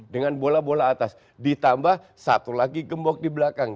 dengan bola bola atas ditambah satu lagi gembok di belakang